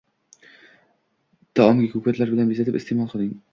Taomga ko‘katlar bilan bezatib, iste’mol qiling